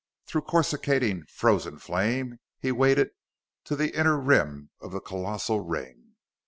Through coruscating frozen flame he waded to the inner rim of the colossal ring.